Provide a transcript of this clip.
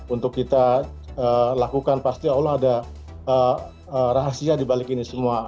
untuk kita lakukan pasti allah ada rahasia dibalik ini semua